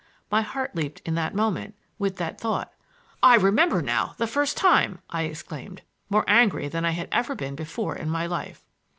My heart leaped in that moment, with that thought. "I remember now the first time!" I exclaimed, more angry than I had ever been before in my life.